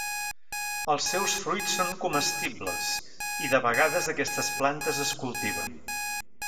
Els seus fruits són comestibles i de vegades aquestes plantes es cultiven.